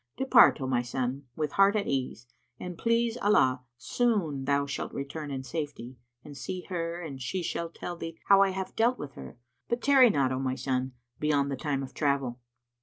Depart, O my son, with heart at ease, and please Allah, soon thou shalt return in safety and see her and she shall tell thee how I have dealt with her: but tarry not, O my son, beyond the time of travel."